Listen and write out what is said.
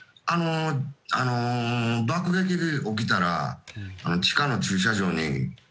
爆撃が起きたら地下の駐車場に。